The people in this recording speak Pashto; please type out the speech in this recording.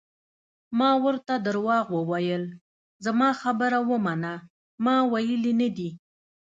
ما ورته درواغ وویل: زما خبره ومنه، ما ویلي نه دي.